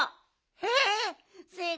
えっ！